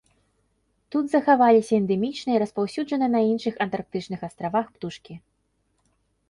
Тут захаваліся эндэмічныя і распаўсюджаныя на іншых антарктычных астравах птушкі.